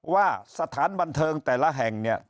ว่าสถานบันเทิงแต่ละแห่งเนี่ย